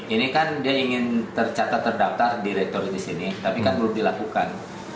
ini kan dia ingin tercatat terdaftar di rektor di sini tapi kan belum dilakukan